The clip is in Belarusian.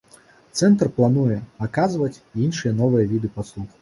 Цэнтр плануе аказваць і іншыя новыя віды паслуг.